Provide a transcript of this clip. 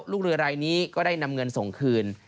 ลูกเรือรายนี้ก็ได้นำเงินส่งคืน